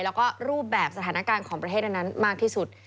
แล้วก็รูปแบบสถานการณ์ของประเทศอันนั้นมากที่สุด